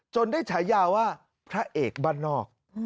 ได้ฉายาว่าพระเอกบ้านนอก